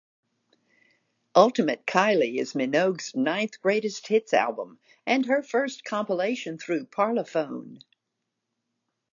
"Ultimate Kylie" is Minogue's ninth greatest hits album, and her first compilation through Parlophone.